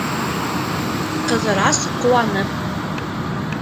Ҡыҙырас ҡыуанып: